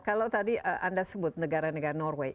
kalau tadi anda sebut negara negara norway